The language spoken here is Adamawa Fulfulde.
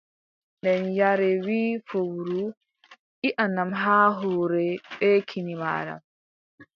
Nden yaare wii fowru: iʼanam haa hoore bee kine maaɗa.